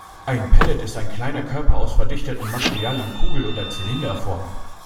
Ein Pellet ist ein kleiner Körper aus verdichtetem Material in Kugel- oder Zylinderform.